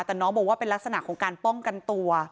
แต่น้องบอกว่าเป็นลักษณะของการป้องกันตัว